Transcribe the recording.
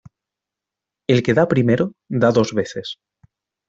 El que da primero da dos veces.